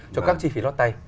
cho các chi phí lót tay